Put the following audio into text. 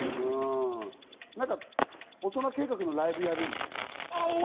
大人計画のライブやるみたいな。